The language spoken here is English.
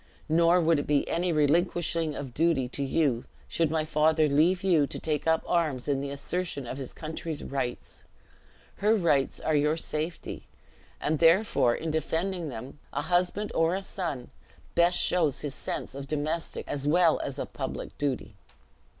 Nor would it be any relinquishing of duty to you, should my father leave you to take up arms in the assertion of his country's rights. Her rights are your safety; and therefore, in defending them, a husband or a son best shows his sense of domestic, as well as of public duty."